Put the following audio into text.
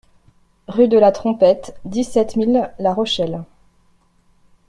Rue DE LA TROMPETTE, dix-sept mille La Rochelle